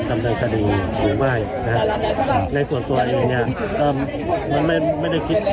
ดำเนินคดีหรือไม่นะฮะในส่วนตัวเองเนี่ยก็ยังไม่ได้คิด